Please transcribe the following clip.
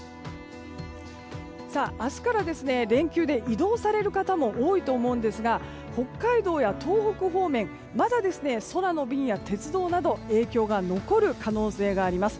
明日から連休で移動される方も多いと思いますが北海道や東北方面まだ空の便や鉄道など影響が残る可能性があります。